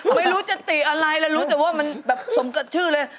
ไม่รู้จะติอะไรแล้วรู้แต่ว่ามันแบบสมกับชื่อเลย